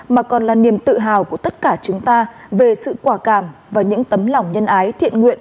mà còn là niềm tự hào của tất cả chúng ta về sự quả cảm và những tấm lòng nhân ái thiện nguyện